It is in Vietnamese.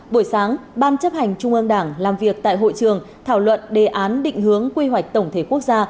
buổi sáng ban chấp hành trung ương đảng làm việc tại hội trường thảo luận đề án định hướng quy hoạch tổng thể quốc gia